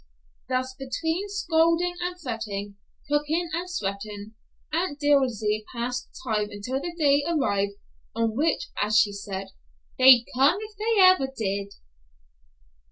Thus, between scolding and fretting, cooking and sweating, Aunt Dilsey passed the time until the day arrived on which, as she said, "they'd come if they ever did."